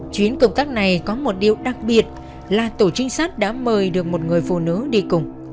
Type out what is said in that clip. chuyến công tác này có một điều đặc biệt là tổ trinh sát đã mời được một người phụ nữ đi cùng